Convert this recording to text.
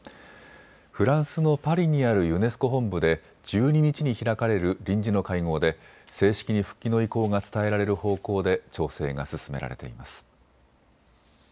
フランスのパリにあるユネスコ本部で１２日に開かれる臨時の会合で正式に復帰の意向が伝えられる方向で調整が進められています。